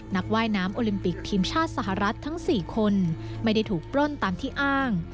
ว่ายน้ำโอลิมปิกทีมชาติสหรัฐทั้ง๔คนไม่ได้ถูกปล้นตามที่อ้าง